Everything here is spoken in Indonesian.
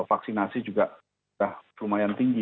vaksinasi juga sudah lumayan tinggi